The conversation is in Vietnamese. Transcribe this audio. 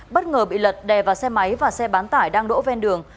bất ngờ bị lật đè vào xe máy và xe bán tải đang đổ ven đường